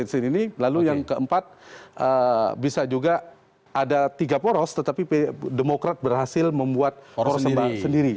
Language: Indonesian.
di sini lalu yang keempat bisa juga ada tiga poros tetapi demokrat berhasil membuat poros sendiri